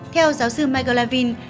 theo giáo sư michael lavin